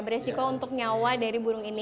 beresiko untuk nyawa dari burung ini